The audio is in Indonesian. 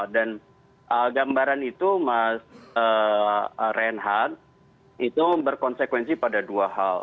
dan gambaran itu mas reinhardt itu berkonsekuensi pada dua hal